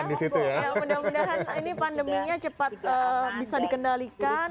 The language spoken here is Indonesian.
mudah mudahan ini pandeminya cepat bisa dikendalikan